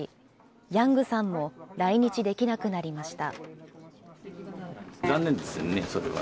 ヤングさんも来日できなくなりました。